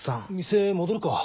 店戻るか。